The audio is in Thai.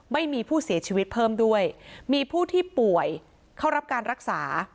ไม่มีผู้เสียชีวิตเพิ่มด้วยมีผู้ที่ป่วยเข้ารับการรักษา